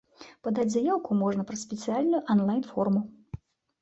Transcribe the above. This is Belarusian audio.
Падаць заяўку можна праз спецыяльную анлайн-форму.